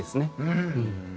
うん。